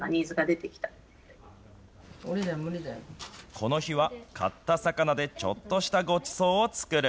この日は、買った魚でちょっとしたごちそうを作る。